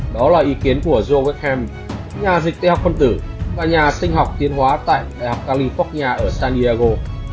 đó là ý kiến của joe beckham nhà dịch tế học phân tử và nhà sinh học tiến hóa tại đại học california ở san diego